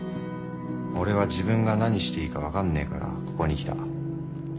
俺は自分が何していいか分かんねえからここに来た。